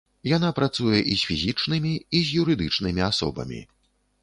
Яна працуе і з фізічнымі, і з юрыдычнымі асобамі.